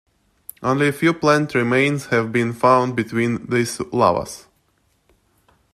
Only a few plant remains have been found between these lavas.